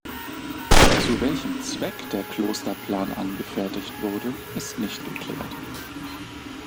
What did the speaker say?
Zu welchem Zweck der Klosterplan angefertigt wurde, ist nicht geklärt.